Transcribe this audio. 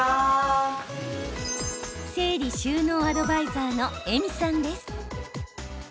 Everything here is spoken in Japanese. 整理収納アドバイザーのＥｍｉさんです。